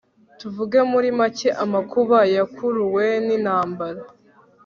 tuvuge muri make amakuba yakuruwe n'intambara